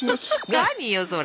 何よそれ。